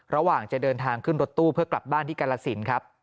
ระหว่างจะเดินทางขึ้นรถตู้เพื่อกลับบ้านที่กาลสินครับ